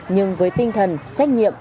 nhưng với tinh thần trách nhiệm